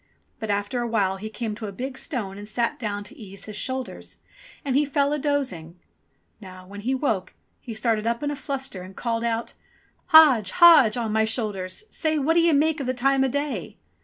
But after a while he came to a big stone and sat down to ease his shoulders. And he fell a dozing. Now, when he woke, he started up in a fluster, and called out : "Hodge, Hodge, on my shoulders ! Say What d'ye make the time o' day